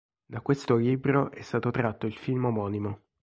Da questo libro è stato tratto il film omonimo.